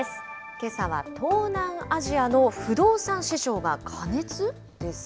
けさは東南アジアの不動産市場が過熱？です。